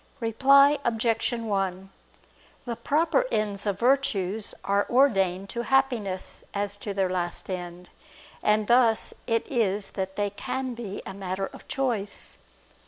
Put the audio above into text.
Reply Obj. 1: The proper ends of virtues are ordained to Happiness as to their last end. And thus it is that they can be a matter of choice.